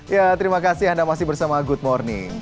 ya terima kasih anda masih bersama good morning